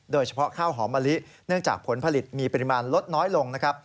โดยเฉพาะข้าวหอมมะลิเนื่องจากผลผลิตมีปริมาณลดน้อยลงนะครับ